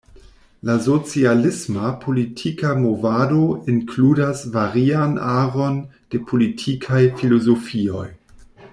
La socialisma politika movado inkludas varian aron de politikaj filozofioj.